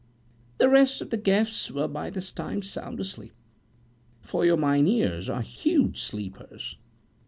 The rest of the guests were by this time sound asleep; for your Mynheers are huge sleepers.